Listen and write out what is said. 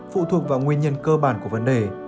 phụ thuộc vào nguyên nhân cơ bản của vấn đề